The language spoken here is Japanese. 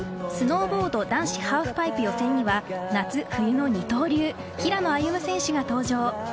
スノーボード男子ハーフパイプ予選には、夏冬の二刀流、平野歩夢選手が登場。